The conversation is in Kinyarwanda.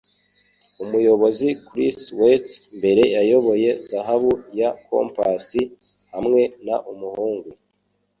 Umuyobozi Chris Weitz mbere yayoboye Zahabu ya Compass hamwe n Umuhungu.